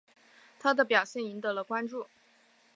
他的表现赢得了关注。